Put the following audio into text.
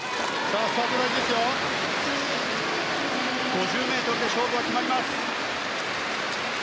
５０ｍで勝負は決まります。